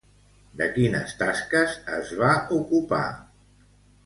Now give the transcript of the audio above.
De quines tasques es va ocupar?